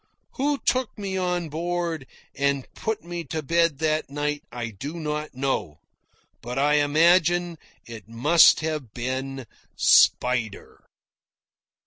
Who took me on board and put me to bed that night I do not know, but I imagine it must have been Spider.